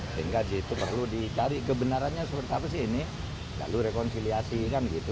sehingga di situ perlu dicari kebenarannya seperti apa sih ini lalu rekonsiliasi kan gitu